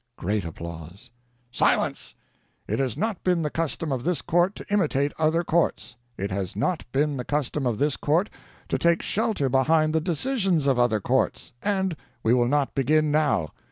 (Great applause.) "Silence! It has not been the custom of this court to imitate other courts; it has not been the custom of this court to take shelter behind the decisions of other courts, and we will not begin now.